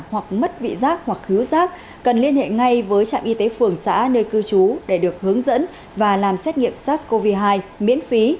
hoặc mất vị giác hoặc cứu rác cần liên hệ ngay với trạm y tế phường xã nơi cư trú để được hướng dẫn và làm xét nghiệm sars cov hai miễn phí